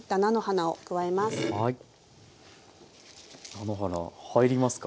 菜の花入りますか？